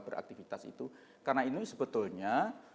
beraktivitas itu karena ini sebetulnya